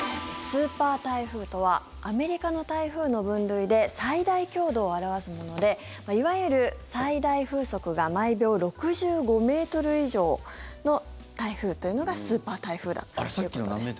スーパー台風とはアメリカの台風の分類で最大強度を表すものでいわゆる最大風速が毎秒６５ｍ以上の台風というのがスーパー台風だということです。